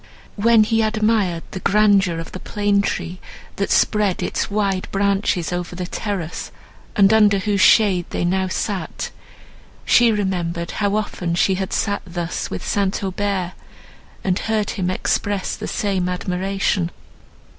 When he admired the grandeur of the plane tree, that spread its wide branches over the terrace, and under whose shade they now sat, she remembered how often she had sat thus with St. Aubert, and heard him express the same admiration.